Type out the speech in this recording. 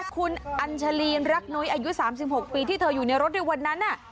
คุณอัญชาลีนรักนุ้ยอายุ๓๖ปีที่เธออยู่ในรถในวันนั้น